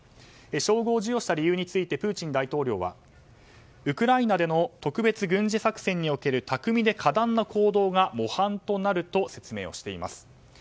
称号を授与した理由についてプーチン大統領はウクライナでの特別軍事作戦における巧みで果断な行動が模範となると説明しています。